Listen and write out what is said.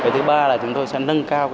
thứ ba là chúng tôi sẽ nâng cao